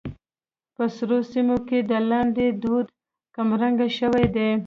په سړو سيمو کې د لاندي دود کمرنګه شوى دى.